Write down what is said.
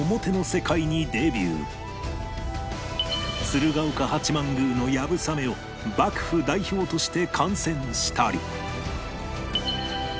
鶴岡八幡宮の流鏑馬を幕府代表として観戦したり